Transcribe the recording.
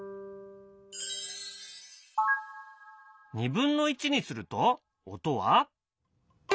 ２分の１にすると音は。